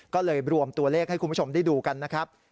ก็เลยรวมตัวเลขให้คุณผู้ชมได้ดูกันนะครับ